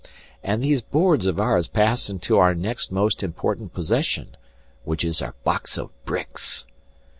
And these boards of ours pass into our next most important possession, which is our box of bricks.